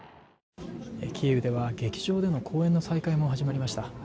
キーウでは劇場での公演の再開も始まりました。